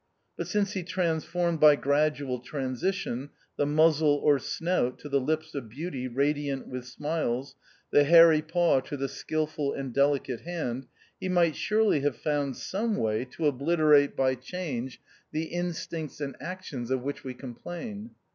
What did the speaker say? But since he transformed by gradual transition, the muzzle or snout to the lips of beauty radiant with smiles, the hairy paw to the skilful and delicate hand, he might surely have found some way to obliterate by change 42 THE OUTCAST. the instincts and actions of which we com plain.